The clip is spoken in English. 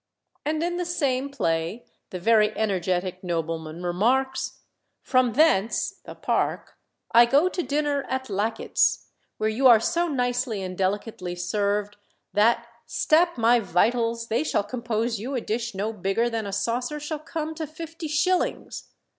And in the same play the very energetic nobleman remarks "From thence (the Park) I go to dinner at Lacket's, where you are so nicely and delicately served that, stap my vitals! they shall compose you a dish no bigger than a saucer shall come to fifty shillings.